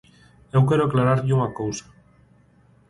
Eu quero aclararlle unha cousa.